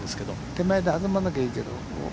手前で弾まなきゃいいけど。